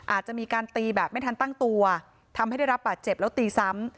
อาจจะมีการตีแบบไม่ทันตั้งตัวทำให้ได้รับบาดเจ็บแล้วตีซ้ำ